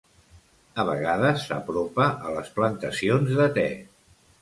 A vegades s'apropa a les plantacions de te.